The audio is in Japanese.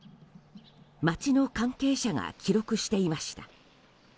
町の関係者が記録していました。